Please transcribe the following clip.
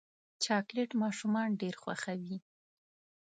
چاکلېټ ماشومان ډېر خوښوي.